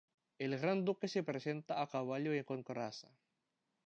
El gran duque se presenta a caballo y con coraza.